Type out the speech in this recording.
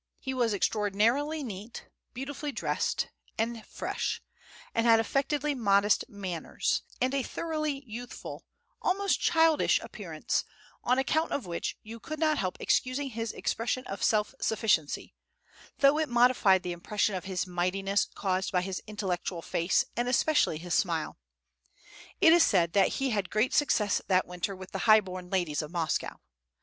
He was extraordinarily neat, beautifully dressed, and fresh, and had affectedly modest manners, and a thoroughly youthful, almost childish appearance, on account of which you could not help excusing his expression of self sufficiency, though it modified the impression of his high mightiness caused by his intellectual face and especially his smile. It is said that he had great success that winter with the high born ladies of Moscow.